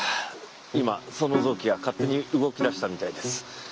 今その臓器が勝手に動きだしたみたいです。